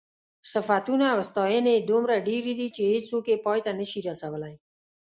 صفتونه او ستاینې یې دومره ډېرې دي چې هېڅوک یې پای ته نشي رسولی.